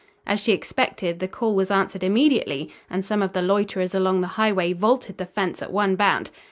As she expected, the call was answered immediately, and some of the loiterers along the highway vaulted the fence at one bound.